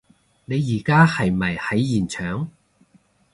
你而家係咪喺現場？